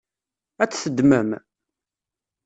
Ad t-teddmem?